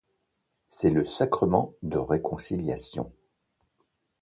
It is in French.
C’est le sacrement de réconciliation.